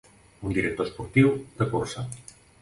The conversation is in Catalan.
Un director esportiu, de cursa.